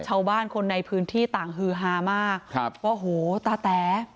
ชาวบ้านคนในพื้นที่ต่างฮือฮามากครับว่าโหตาแต๋